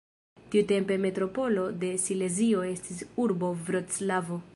Tiutempe metropolo de Silezio estis urbo Vroclavo.